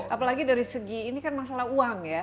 apalagi dari segi ini kan masalah uang ya